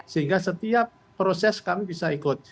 sehingga setiap proses kami bisa ikut